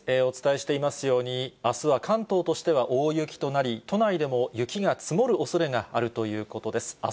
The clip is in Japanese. お伝えしていますように、あすは関東としては大雪となり、都内でも雪が積もるおそれがあるということです。